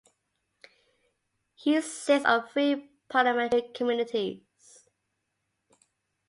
He sits on three Parliamentary committees.